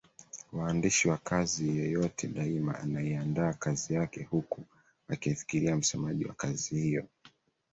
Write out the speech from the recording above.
Waandishi wa kazi yeyote daima anaiandaa kazi yake huku akimfikiria msomaji wa kazi hiyo.